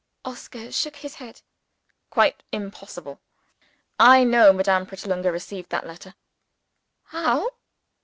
Oscar shook his head. "Quite impossible! I know Madame Pratolungo received the letter." "How?"